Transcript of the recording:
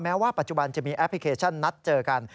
ว่าปัจจุบันจะมีแอปพลิเคชันนัดเจอกัน